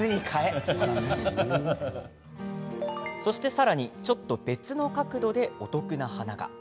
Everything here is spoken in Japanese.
さらに、ちょっと別の角度でお得な花が。